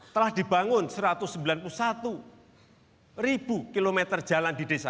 telah dibangun satu ratus sembilan puluh satu ribu kilometer jalan di desa